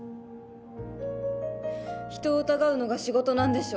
人を疑うのが仕事なんでしょ？